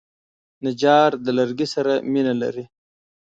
نجار د لرګي سره مینه لري.